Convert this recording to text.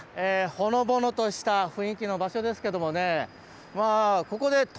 ほのぼのとした雰囲気の場所ですけどもね